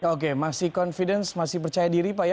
oke masih confidence masih percaya diri pak ya